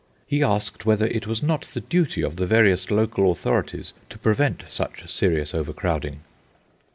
He asked whether it was not the duty of the various local authorities to prevent such serious overcrowding.